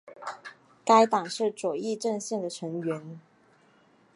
该党是左翼阵线的成员。